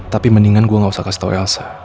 tapi mendingan gue gak usah kasih tau elsa